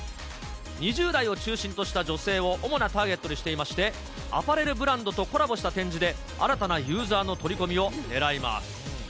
２０代を中心とした女性を主なターゲットにしていまして、アパレルブランドとコラボした展示で、新たなユーザーの取り込みを狙います。